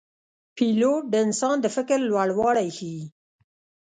پیلوټ د انسان د فکر لوړوالی ښيي.